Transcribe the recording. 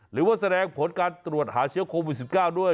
หรือว่าแสดงผลการตรวจหาเชื้อโควิด๑๙ด้วย